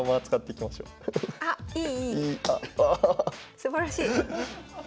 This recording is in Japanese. すばらしい！